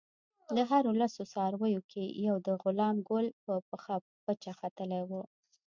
د هرو لسو څارویو کې یو د غلام ګل په پخه پچه ختلی وو.